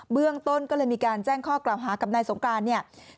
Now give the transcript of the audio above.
เรื่องต้นก็เลยมีการแจ้งข้อกล่าวหากับนายสงการเนี่ย